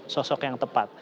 sosok yang tepat